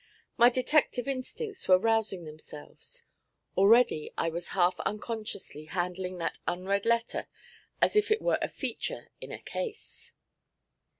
My detective instincts were rousing themselves; already I was half unconsciously handling that unread letter as if it were a 'feature' in a 'case.'